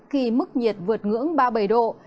nước nhiệt vượt ngưỡng ba mươi bảy độ